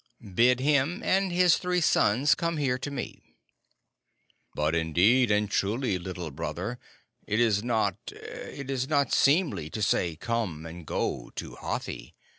"Bid him and his three sons come here to me." "But, indeed, and truly, Little Brother, it is not it is not seemly to say 'Come,' and 'Go,' to Hathi.